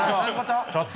ちょっと！